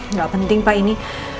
nggak penting pak ini